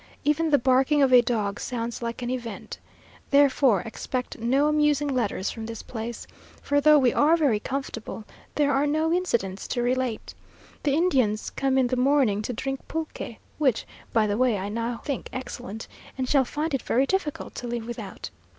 Even the barking of a dog sounds like an event. Therefore, expect no amusing letters from this place; for though we are very comfortable, there are no incidents to relate. The Indians come in the morning to drink pulque, (which, by the way, I now think excellent, and shall find it very difficult to live without!)